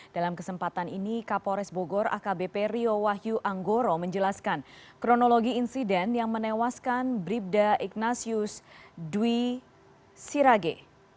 dalam kesempatan ini kapolres bogor akbp rio wahyu anggoro menjelaskan kronologi insiden yang menewaskan bribda ignatius dwi sirage